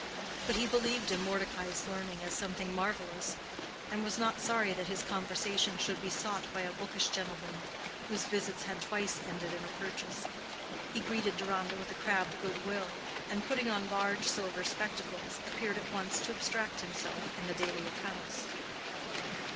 But he believed in Mordecai's learning as something marvellous, and was not sorry that his conversation should be sought by a bookish gentleman, whose visits had twice ended in a purchase. He greeted Deronda with a crabbed good will, and, putting on large silver spectacles, appeared at once to abstract himself in the daily accounts.